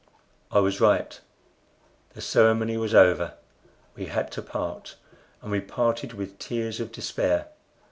I was right. The ceremony was over. We had to part, and we parted with tears of despair.